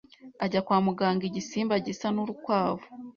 ajya kwa muganga igisimba gisa n’urukwavu,